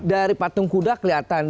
dari patung kuda kelihatan